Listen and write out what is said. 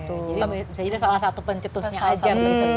oke jadi bisa jadi salah satu pencetusnya aja